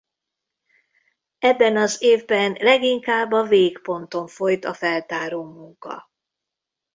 Ebben az évben leginkább a végponton folyt a feltáró munka.